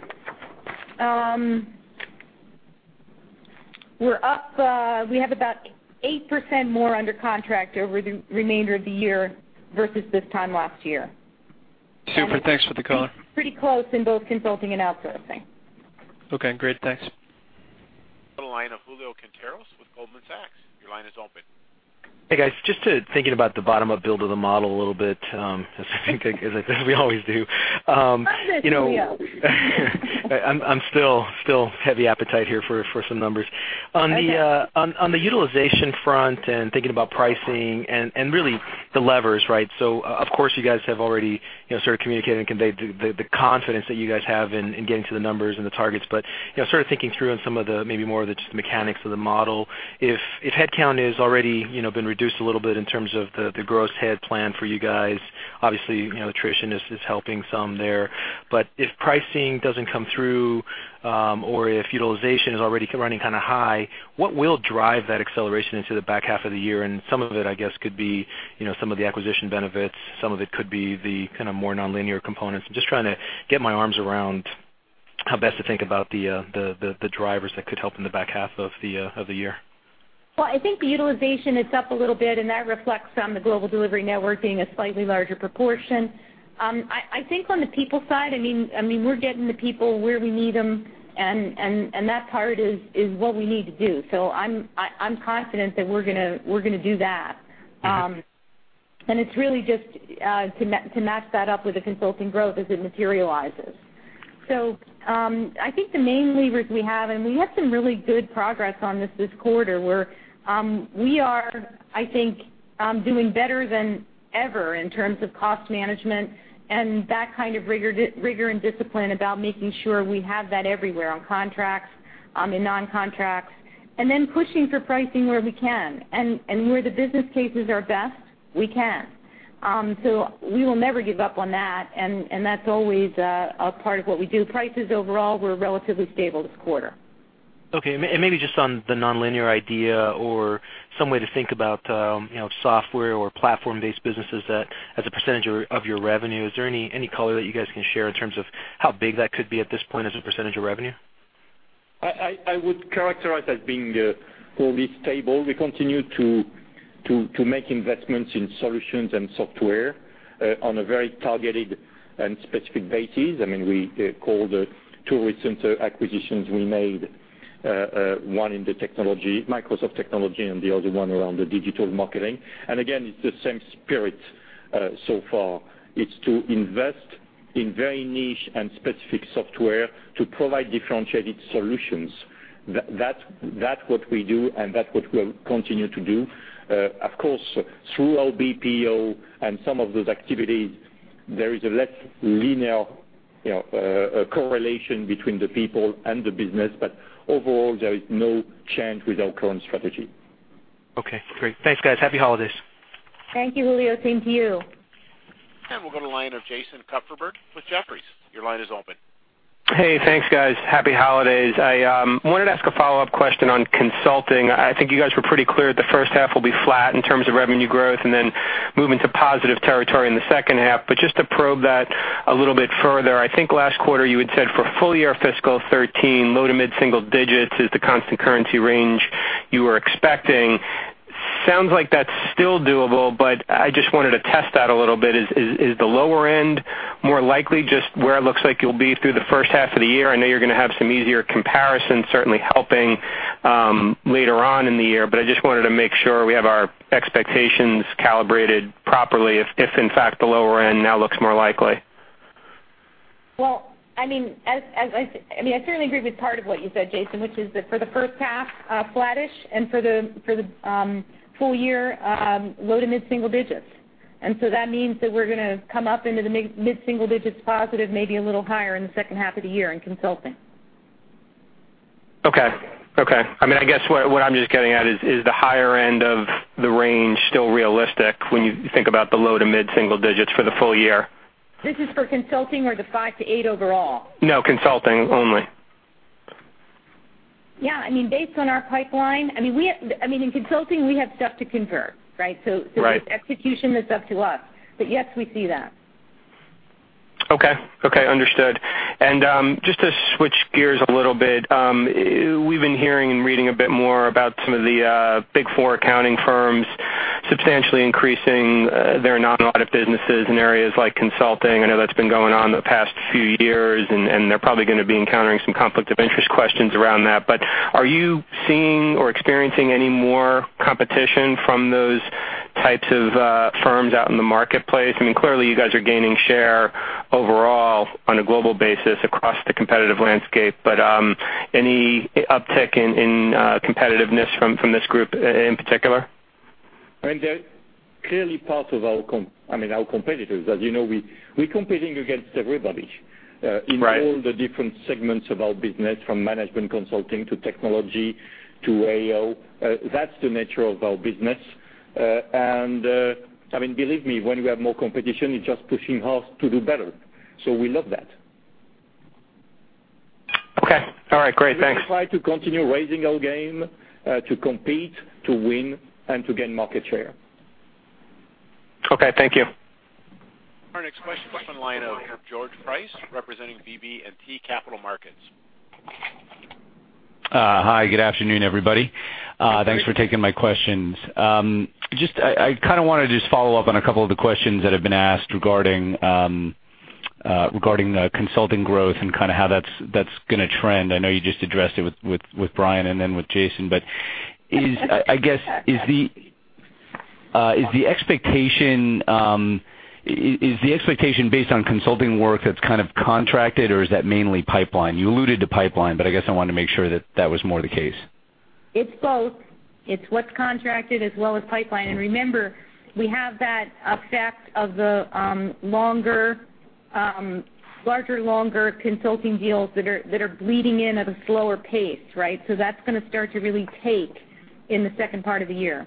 we have about 8% more under contract over the remainder of the year versus this time last year. Super. Thanks for the color. Pretty close in both consulting and outsourcing. Okay, great. Thanks. The line of Julio Quinteros with Goldman Sachs. Your line is open. Hey, guys. Just thinking about the bottom-up build of the model a little bit, as we always do. Hi there, Julio. I'm still heavy appetite here for some numbers. Okay. On the utilization front and thinking about pricing and really the levers, right? Of course, you guys have already started communicating and conveyed the confidence that you guys have in getting to the numbers and the targets, but sort of thinking through on some of the, maybe more of the just mechanics of the model. If headcount has already been reduced a little bit in terms of the gross head plan for you guys. Obviously, attrition is helping some there. If pricing doesn't come through, or if utilization is already running kind of high, what will drive that acceleration into the back half of the year? Some of it, I guess, could be some of the acquisition benefits, some of it could be the kind of more nonlinear components. I'm just trying to get my arms around how best to think about the drivers that could help in the back half of the year. I think the utilization is up a little bit, and that reflects on the Global Delivery Network being a slightly larger proportion. I think on the people side, we're getting the people where we need them, and that part is what we need to do. I'm confident that we're going to do that. It's really just to match that up with the consulting growth as it materializes. I think the main levers we have, and we have some really good progress on this this quarter, where we are, I think, doing better than ever in terms of cost management and that kind of rigor and discipline about making sure we have that everywhere on contracts, in non-contracts, and then pushing for pricing where we can. Where the business cases are best, we can. We will never give up on that. That's always a part of what we do. Prices overall were relatively stable this quarter. Maybe just on the nonlinear idea or some way to think about software or platform-based businesses as a percentage of your revenue. Is there any color that you guys can share in terms of how big that could be at this point as a percentage of revenue? I would characterize that as being always stable. We continue to make investments in solutions and software on a very targeted and specific basis. We call the two recent acquisitions we made, one in the technology, Microsoft technology, and the other one around the digital marketing. Again, it's the same spirit so far. It's to invest in very niche and specific software to provide differentiated solutions. That's what we do. That's what we'll continue to do. Of course, through our BPO and some of those activities, there is a less linear correlation between the people and the business. Overall, there is no change with our current strategy. Okay, great. Thanks, guys. Happy holidays. Thank you, Julio. Thank you. We'll go to the line of Jason Kupferberg with Jefferies. Your line is open. Hey, thanks, guys. Happy holidays. I wanted to ask a follow-up question on consulting. I think you guys were pretty clear the first half will be flat in terms of revenue growth and then move into positive territory in the second half. Just to probe that a little bit further, I think last quarter you had said for full year fiscal 2013, low to mid-single digits is the constant currency range you were expecting. Sounds like that's still doable, but I just wanted to test that a little bit. Is the lower end more likely just where it looks like you'll be through the first half of the year? I know you're going to have some easier comparisons certainly helping later on in the year, but I just wanted to make sure we have our expectations calibrated properly if, in fact, the lower end now looks more likely. Well, I certainly agree with part of what you said, Jason, which is that for the first half, flattish, and for the full year, low to mid-single digits. That means that we're going to come up into the mid-single digits positive, maybe a little higher in the second half of the year in consulting. Okay. I guess what I'm just getting at is the higher end of the range still realistic when you think about the low to mid-single digits for the full year? This is for consulting or the 5-8 overall? No, consulting only. Yeah, based on our pipeline, in consulting, we have stuff to convert, right? Right. The execution is up to us. Yes, we see that. Okay. Understood. Just to switch gears a little bit, we've been hearing and reading a bit more about some of the Big Four accounting firms substantially increasing their not a lot of businesses in areas like consulting. I know that's been going on the past few years, and they're probably going to be encountering some conflict of interest questions around that. Are you seeing or experiencing any more competition from those types of firms out in the marketplace? Clearly you guys are gaining share overall on a global basis across the competitive landscape, but any uptick in competitiveness from this group in particular? They're clearly part of our competitors. As you know, we're competing against everybody. Right In all the different segments of our business, from management consulting to technology to AO. That's the nature of our business. Believe me, when we have more competition, it's just pushing us to do better. We love that. Okay. All right. Great. Thanks. We will try to continue raising our game to compete, to win, and to gain market share. Okay, thank you. Our next question comes from the line of George Price, representing BB&T Capital Markets. Hi. Good afternoon, everybody. Thanks for taking my questions. I kind of want to just follow up on a couple of the questions that have been asked regarding Regarding consulting growth and how that's going to trend. I know you just addressed it with Bryan and then with Jason, but I guess, is the expectation based on consulting work that's contracted, or is that mainly pipeline? You alluded to pipeline, but I guess I wanted to make sure that was more the case. It's both. It's what's contracted as well as pipeline. Remember, we have that effect of the larger, longer consulting deals that are bleeding in at a slower pace, right? That's going to start to really take in the second part of the year.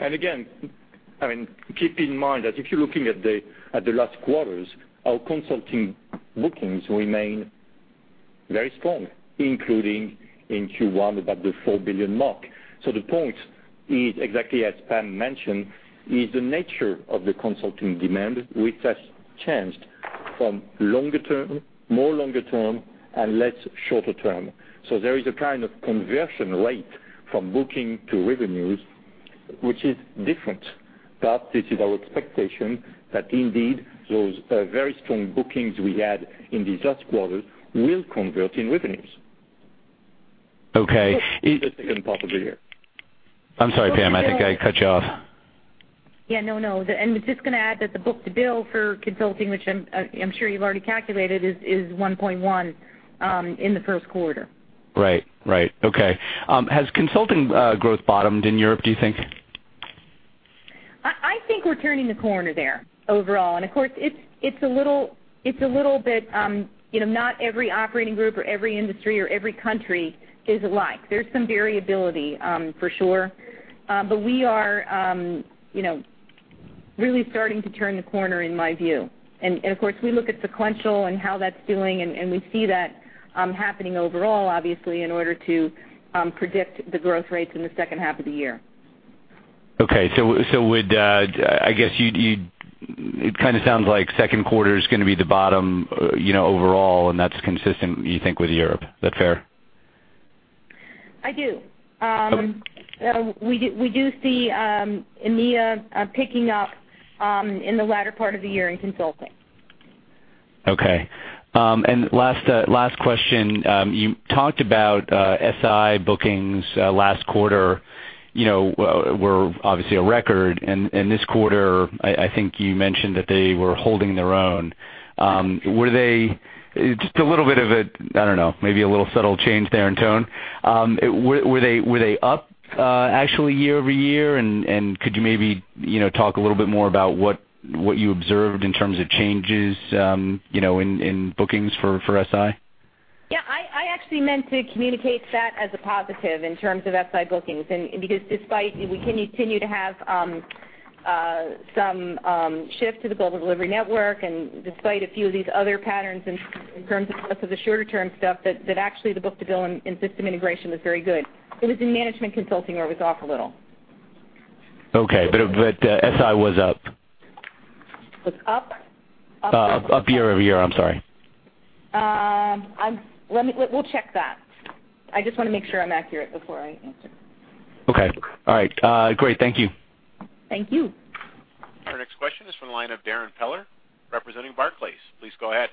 Again, keep in mind that if you're looking at the last quarters, our consulting bookings remain very strong, including in Q1, about the $4 billion mark. The point is exactly as Pam mentioned, is the nature of the consulting demand, which has changed from longer term, more longer term, and less shorter term. There is a kind of conversion rate from booking to revenues, which is different. This is our expectation that indeed, those very strong bookings we had in these last quarters will convert in revenues. Okay. In the second part of the year. I'm sorry, Pam, I think I cut you off. Yeah, no. Was just going to add that the book-to-bill for consulting, which I'm sure you've already calculated, is 1.1 in the first quarter. Right. Okay. Has consulting growth bottomed in Europe, do you think? Of course, it's a little bit, not every operating group or every industry or every country is alike. There's some variability, for sure. We are really starting to turn the corner in my view. Of course, we look at sequential and how that's doing, and we see that happening overall, obviously, in order to predict the growth rates in the second half of the year. Okay. I guess it kind of sounds like second quarter's going to be the bottom overall, and that's consistent, you think, with Europe. Is that fair? I do. Okay. We do see EMEA picking up in the latter part of the year in consulting. Okay. Last question. You talked about SI bookings last quarter were obviously a record, this quarter, I think you mentioned that they were holding their own. Just a little bit of a, I don't know, maybe a little subtle change there in tone. Were they up actually year-over-year? Could you maybe talk a little bit more about what you observed in terms of changes in bookings for SI? Yeah, I actually meant to communicate that as a positive in terms of SI bookings. Because despite we continue to have some shift to the Global Delivery Network and despite a few of these other patterns in terms of some of the shorter-term stuff, that actually the book-to-bill in system integration was very good. It was in management consulting where it was off a little. Okay. SI was up. Was up? Up year-over-year. I'm sorry. We'll check that. I just want to make sure I'm accurate before I answer. Okay. All right. Great. Thank you. Thank you. Our next question is from the line of Darrin Peller, representing Barclays. Please go ahead.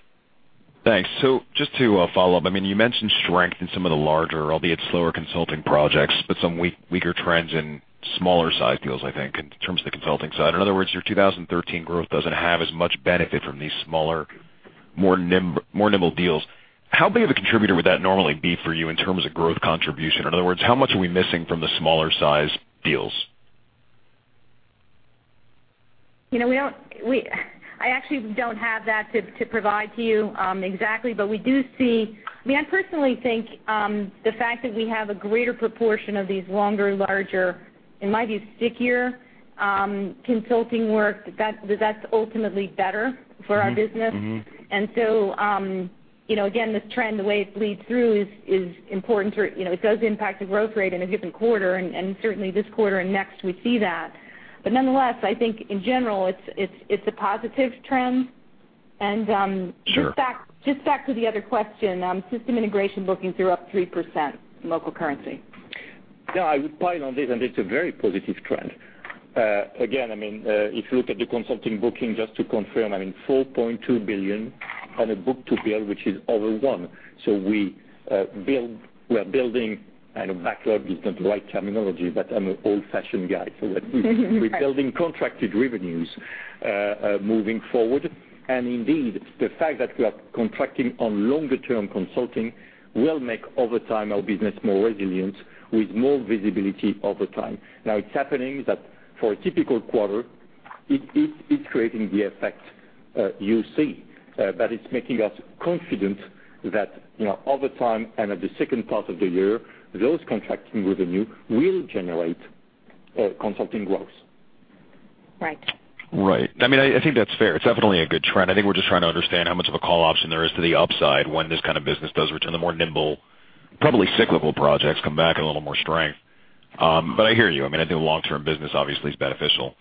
Thanks. Just to follow up, you mentioned strength in some of the larger, albeit slower consulting projects, but some weaker trends in smaller size deals, I think, in terms of the consulting side. In other words, your 2013 growth doesn't have as much benefit from these smaller, more nimble deals. How big of a contributor would that normally be for you in terms of growth contribution? In other words, how much are we missing from the smaller size deals? I actually don't have that to provide to you exactly. I personally think the fact that we have a greater proportion of these longer, larger, in my view, stickier consulting work, that that's ultimately better for our business. Again, this trend, the way it bleeds through is important for, it does impact the growth rate in a given quarter, and certainly this quarter and next, we see that. Nonetheless, I think in general, it's a positive trend. Sure. Just back to the other question, system integration bookings are up 3% in local currency. Yeah, I would pile on this, it's a very positive trend. Again, if you look at the consulting booking, just to confirm, $4.2 billion on a book-to-bill, which is over one. We are building a backlog is not the right terminology, but I'm an old-fashioned guy. We're building contracted revenues moving forward. Indeed, the fact that we are contracting on longer-term consulting will make, over time, our business more resilient with more visibility over time. Now it's happening that for a typical quarter, it is creating the effect you see. It's making us confident that over time and at the second part of the year, those contracting revenue will generate consulting growth. Right. Right. I think that's fair. It's definitely a good trend. I think we're just trying to understand how much of a call option there is to the upside when this kind of business does return, the more nimble, probably cyclical projects come back in a little more strength. I hear you. I think the long-term business obviously is beneficial.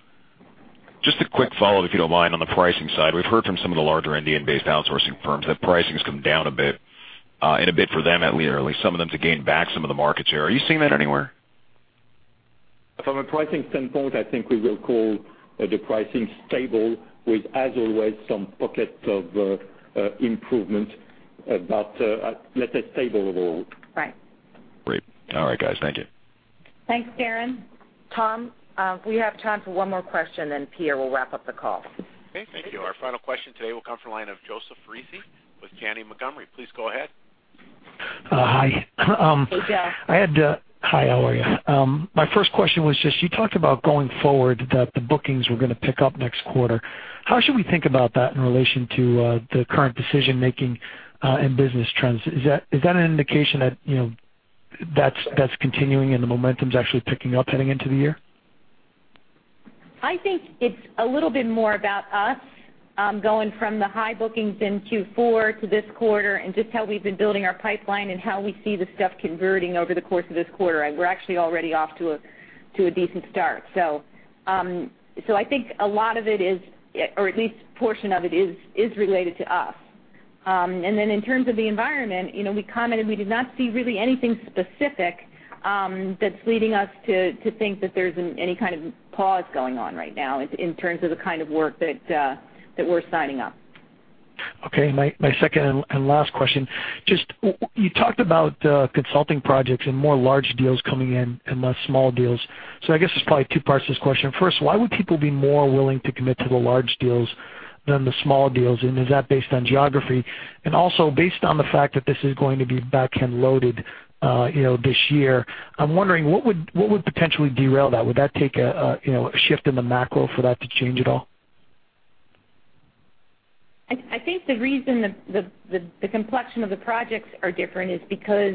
Just a quick follow-up, if you don't mind, on the pricing side. We've heard from some of the larger Indian-based outsourcing firms that pricing's come down a bit, in a bit for them, at least, some of them to gain back some of the market share. Are you seeing that anywhere? From a pricing standpoint, I think we will call the pricing stable with, as always, some pockets of improvement, but let's say stable overall. Right. Great. All right, guys. Thank you. Thanks, Darrin. Tom, we have time for one more question, then Pierre will wrap up the call. Okay, thank you. Our final question today will come from the line of Joseph Foresi with Janney Montgomery Scott. Please go ahead. Hi. Hey, Joe. Hi, how are you? My first question was just, you talked about going forward that the bookings were going to pick up next quarter. How should we think about that in relation to the current decision-making and business trends? Is that an indication that that's continuing and the momentum's actually picking up heading into the year? I think it's a little bit more about us going from the high bookings in Q4 to this quarter and just how we've been building our pipeline and how we see the stuff converting over the course of this quarter. We're actually already off to a decent start. I think a lot of it is, or at least a portion of it is related to us. In terms of the environment, we commented we did not see really anything specific that's leading us to think that there's any kind of pause going on right now in terms of the kind of work that we're signing up. Okay. My second and last question. Just, you talked about consulting projects and more large deals coming in and less small deals. I guess there's probably two parts to this question. First, why would people be more willing to commit to the large deals than the small deals? Is that based on geography? Also based on the fact that this is going to be back-end loaded this year, I'm wondering, what would potentially derail that? Would that take a shift in the macro for that to change at all? I think the reason the complexion of the projects are different is because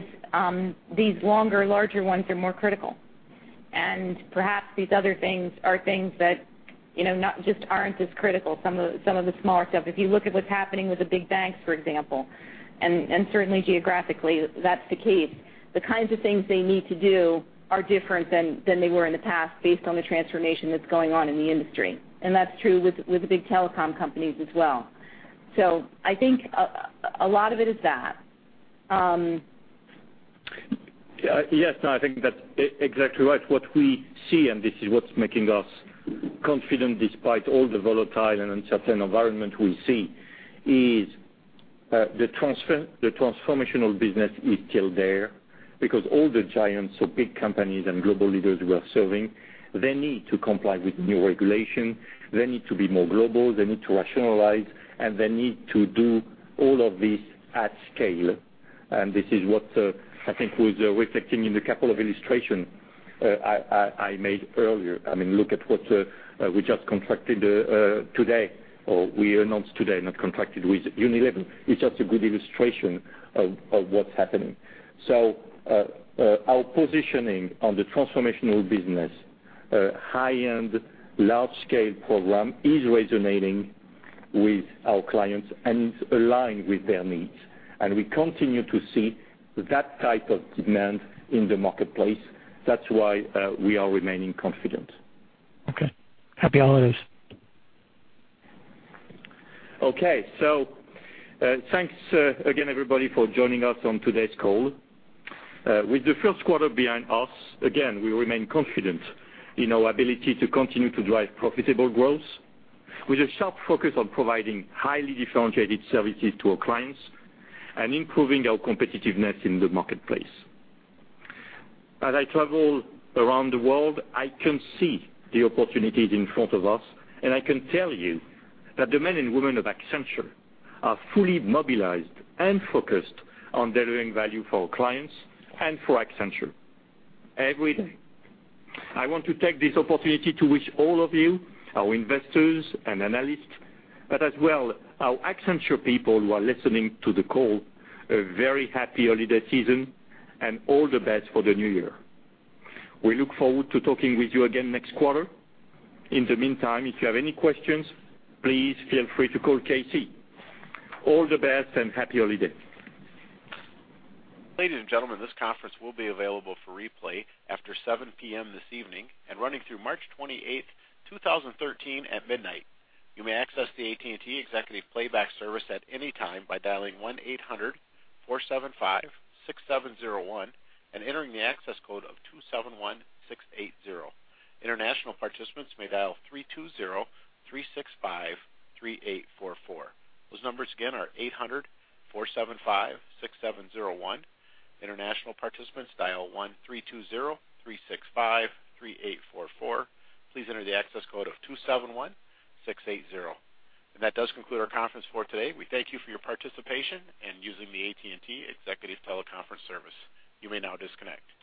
these longer, larger ones are more critical. Perhaps these other things are things that just aren't as critical, some of the smaller stuff. If you look at what's happening with the big banks, for example, certainly geographically, that's the case. The kinds of things they need to do are different than they were in the past based on the transformation that's going on in the industry. That's true with the big telecom companies as well. I think a lot of it is that. Yes, I think that's exactly right. What we see, this is what's making us confident despite all the volatile and uncertain environment we see, is the transformational business is still there because all the giants of big companies and global leaders we are serving, they need to comply with new regulation. They need to be more global. They need to rationalize, they need to do all of this at scale. This is what I think was reflecting in the couple of illustrations I made earlier. Look at what we just contracted today, or we announced today, not contracted with Unilever. It's just a good illustration of what's happening. Our positioning on the transformational business, high-end, large-scale program is resonating with our clients and is aligned with their needs. We continue to see that type of demand in the marketplace. That's why we are remaining confident. Okay. Happy holidays. Thanks again, everybody, for joining us on today's call. With the first quarter behind us, again, we remain confident in our ability to continue to drive profitable growth with a sharp focus on providing highly differentiated services to our clients and improving our competitiveness in the marketplace. As I travel around the world, I can see the opportunities in front of us, and I can tell you that the men and women of Accenture are fully mobilized and focused on delivering value for our clients and for Accenture every day. I want to take this opportunity to wish all of you, our investors and analysts, but as well our Accenture people who are listening to the call, a very happy holiday season and all the best for the new year. We look forward to talking with you again next quarter. In the meantime, if you have any questions, please feel free to call KC. All the best and happy holidays. Ladies and gentlemen, this conference will be available for replay after 7:00 P.M. this evening and running through March 28th, 2013, at midnight. You may access the AT&T Executive Playback Service at any time by dialing 1-800-475-6701 and entering the access code of 271680. International participants may dial 320-365-3844. Those numbers again are 800-475-6701. International participants, dial 1-320-365-3844. Please enter the access code of 271680. That does conclude our conference for today. We thank you for your participation in using the AT&T Executive Teleconference Service. You may now disconnect.